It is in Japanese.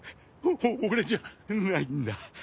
お俺じゃないんだ。